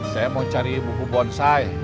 saya mau cari buku bonsai